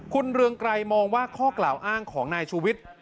คุณเรืองไกรมองว่าข้อกล่าวอ้างของนายชูวิทย์